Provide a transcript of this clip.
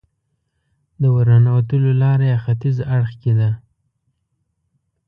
د ورننوتو لاره یې ختیځ اړخ کې ده.